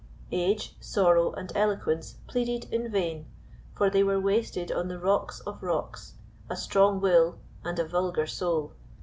Age, sorrow, and eloquence pleaded in vain, for they were wasted on the rocks of rocks, a strong will and a vulgar soul.